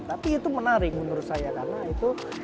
tapi itu menarik menurut saya karena itu